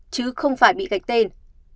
chứ không phải bị gạch tên